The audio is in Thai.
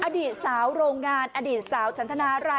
อดีตสาวโรงงานอดีตสาวฉันทนาราย